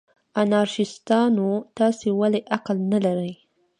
انارشیستانو، تاسې ولې عقل نه لرئ؟